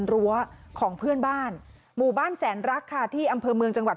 รั้วของเพื่อนบ้านหมู่บ้านแสนรักค่ะที่อำเภอเมืองจังหวัด